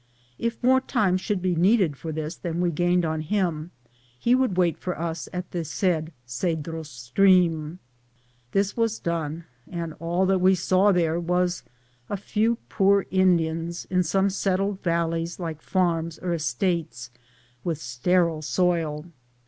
If more time should be needed for this than we gained on him, he would wait for us at the said Cedros stream. This was done, and all that we saw there was a few poor Indians in some settled valleys like forma or estates, with sterile soil.